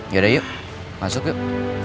yaudah yuk masuk yuk